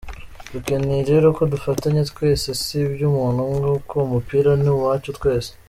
Dukeneye rero ko dufatanya twese, si iby’umuntu umwe kuko umupira ni uwacu twese.